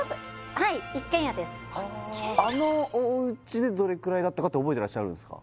はいあのおうちでどれくらいだったかって覚えてらっしゃるんですか？